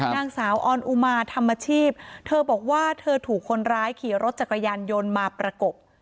นางสาวออนอุมาทำอาชีพเธอบอกว่าเธอถูกคนร้ายขี่รถจักรยานยนต์มาประกบ